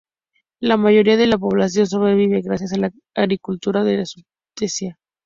La mayoría de la población sobrevive gracias a la agricultura de subsistencia.